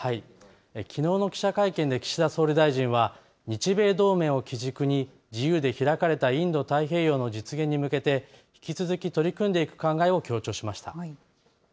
きのうの記者会見で岸田総理大臣は、日米同盟を基軸に、自由で開かれたインド太平洋の実現に向けて、引き続き取り組んでいく考えを強調しました。